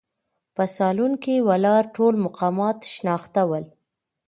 په سالون کې ولاړ ټول مقامات شناخته ول.